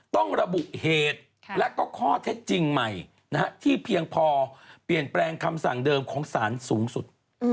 ต้องระบุเหตุและก็ข้อเท็จจริงใหม่ที่เพียงพอเปลี่ยนแปลงคำสั่งเดิมของสารสูงสุด